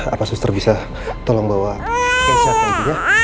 apa suster bisa tolong bawa keisha ke ibunya